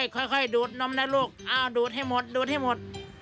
ค่อยดูดนมนะลูกดูดให้หมด